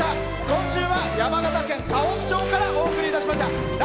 今週は山形県河北町からお送りいたしました。